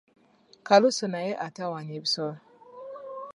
Kalusu naye atawaanya ebisolo.